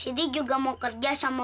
si dik belajar yang rajin ya